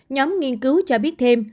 nhóm nghiên cứu cho biết thêm